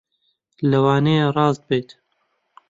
لەوانەیە ڕاست بێت